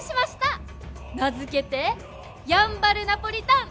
名付けてやんばるナポリタン！